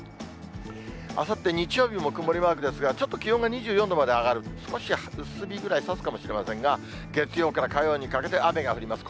あさって日曜日も曇りマークですが、ちょっと気温が２４度まで上がる、少し薄日ぐらいさすかもしれませんが、月曜から火曜にかけて雨が降ります。